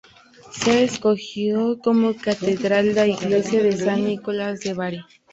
Se escogió como catedral la iglesia de San Nicolás de Bari.